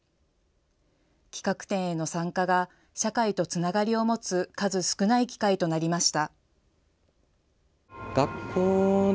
企画展への参加が社会とつながりを持つ数少ない機会となりました。